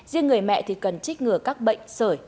riêng người mẹ thì cần trích ngừa các bệnh sởi